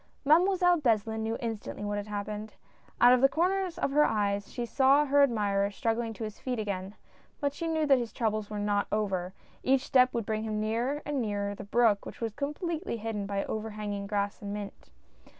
Mademoiselle Beslin knew instantly what had hap pened. Out of the corners of her eyes she saw her admirer struggling to his feet again ; but she knew that his troubles were not over, as each step would bring him nearer and nearer the brook, which was completely hidden by overhanging grass and mint.